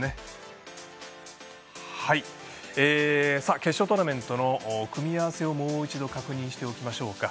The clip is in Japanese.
決勝トーナメントの組み合わせをもう一度確認しておきましょうか。